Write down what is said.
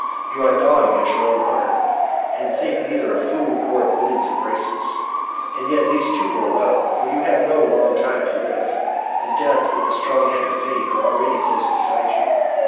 You are gnawing at your own heart, and think neither of food nor of woman's embraces; and yet these too were well, for you have no long time to live, and death with the strong hand of fate are already close beside you.